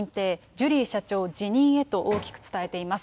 ジュリー社長辞任へと大きく伝えています。